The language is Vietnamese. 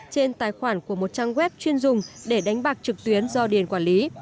trên tài khoản của một trang web chuyên dùng để đánh bạc trực tuyến do điền quản lý